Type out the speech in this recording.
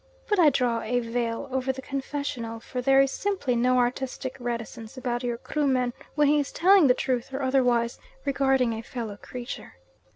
But I draw a veil over the confessional, for there is simply no artistic reticence about your Kruman when he is telling the truth, or otherwise, regarding a fellow creature.